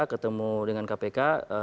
ketemu dengan kpk